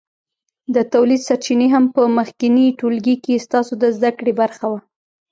د تولید سرچینې هم په مخکېني ټولګي کې ستاسو د زده کړې برخه وه.